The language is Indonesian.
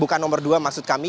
bukan nomor dua maksud kami